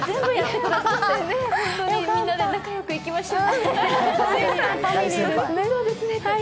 みんなで仲良く行きましょう。